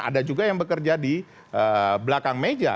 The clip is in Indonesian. ada juga yang bekerja di belakang meja